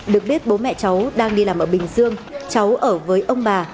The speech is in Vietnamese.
được biết bố mẹ cháu đang đi làm ở bình dương cháu ở với ông bà